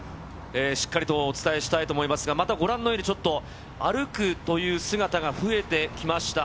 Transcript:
しっかりとお伝えしたいと思いますが、またご覧のように、ちょっと歩くという姿が増えてきました。